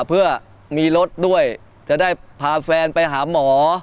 เพื่อมีรถด้วยจะได้พาแฟนไปหาหมอ